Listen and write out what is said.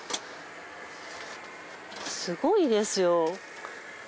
すごいですよ。